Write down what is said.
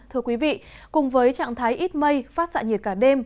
thưa quý vị cùng với trạng thái ít mây phát xạ nhiệt cả đêm